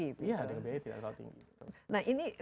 iya dengan biaya yang tidak terlalu tinggi